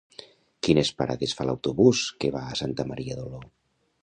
Quines parades fa l'autobús que va a Santa Maria d'Oló?